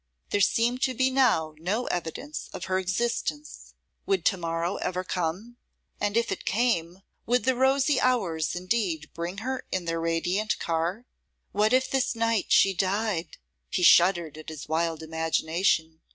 There seemed to be now no evidence of her existence. Would tomorrow ever come? And if it came, would the rosy hours indeed bring her in their radiant car? What if this night she died? He shuddered at this wild imagination.